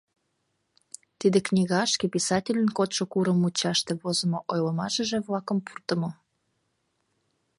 Тиде книгашке писательын кодшо курым мучаште возымо ойлымашыже-влакым пуртымо.